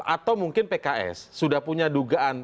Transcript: atau mungkin pks sudah punya dugaan